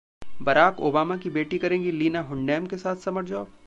Barack Obama की बेटी करेंगी लीना डुनहैम के साथ समर जॉब...?